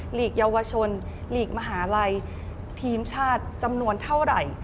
หลีกเยาวชนหลีกมหาลัยทีมชาติจำนวนเท่าไหร่